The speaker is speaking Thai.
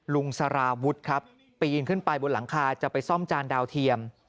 สาราวุฒิครับปีนขึ้นไปบนหลังคาจะไปซ่อมจานดาวเทียม